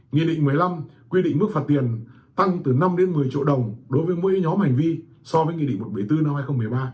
nghị định một mươi năm quy định mức phạt tiền tăng từ năm đến một mươi triệu đồng đối với mỗi nhóm hành vi so với nghị định một trăm bảy mươi bốn năm hai nghìn một mươi ba